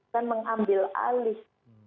dan mengambil alih